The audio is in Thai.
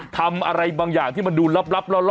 ทำอะไรบางอย่างที่มันดูลับล่อ